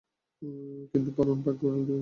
কিন্তু পরান পাখি উড়াল দিলে কি আসব?